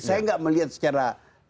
saya nggak melihat secara